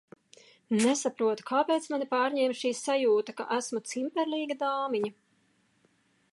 Nesaprotu, kāpēc mani pārņēma šī sajūta, ka esmu cimperlīga dāmiņa?